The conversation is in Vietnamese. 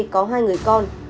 có hai người con